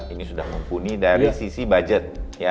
ini sudah mumpuni dari sisi budget